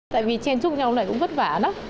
tại vì chen chung nhau lại cũng vất vả lắm